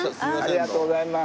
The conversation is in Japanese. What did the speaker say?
ありがとうございます。